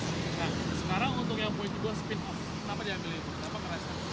nah sekarang untuk yang point dua speed off kenapa diambil itu kenapa keres